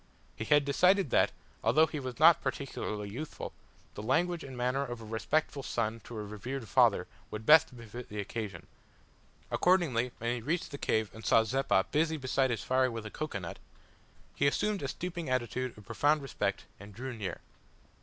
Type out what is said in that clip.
He had decided that, although he was not particularly youthful, the language and manner of a respectful son to a revered father would best befit the occasion. Accordingly when he reached the cave and saw Zeppa busy beside his fire with a cocoa nut, he assumed a stooping attitude of profound respect, and drew near.